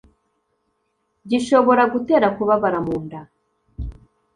gishobora gutera kubabara munda